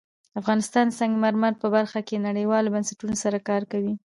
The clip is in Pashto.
افغانستان د سنگ مرمر په برخه کې نړیوالو بنسټونو سره کار کوي.